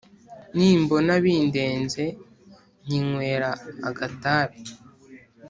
Nimbona bindenze Nkinywera agatabi